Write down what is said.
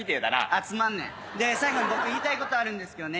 あっつまんねえ最後に僕言いたいことあるんですけどね。